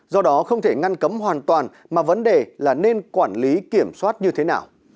do đó không thể ngăn cấm hoàn toàn mà vấn đề là nên quản lý kiểm soát như thế nào